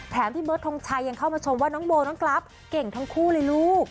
พี่เบิร์ดทงชัยยังเข้ามาชมว่าน้องโบน้องกราฟเก่งทั้งคู่เลยลูก